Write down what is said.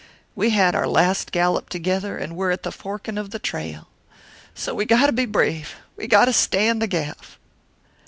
We had our last gallop together, an' we're at the forkin' of th' trail. So we got to be brave we got to stand the gaff."